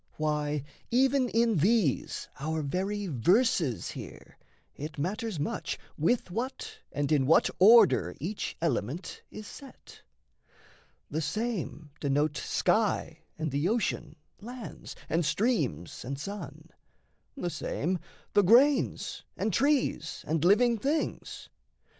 Why, even in these our very verses here It matters much with what and in what order Each element is set: the same denote Sky, and the ocean, lands, and streams, and sun; The same, the grains, and trees, and living things.